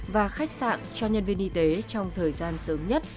và khách sạn cho nhân viên y tế trong thời gian sớm nhất